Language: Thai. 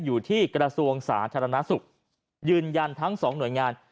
อยู่ที่กระทรวงสาธารณสุขยืนยันทั้งสองหน่วยงาน